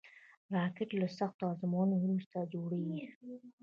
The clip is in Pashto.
راکټ له سختو ازموینو وروسته جوړېږي